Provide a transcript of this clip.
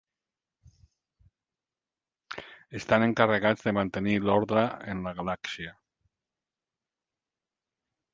Estan encarregats de mantenir l'orde en la galàxia.